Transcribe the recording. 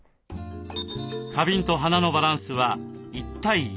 花瓶と花のバランスは１対１。